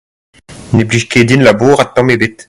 Ne blij ket din labourat tamm ebet.